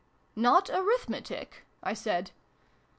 " Not Arithmetic ?" I said.